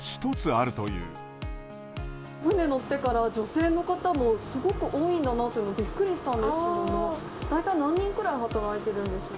船乗ってから、女性の方もすごく多いんだなって、びっくりしたんですけれども、大体何人ぐらい働いてるんでしょう？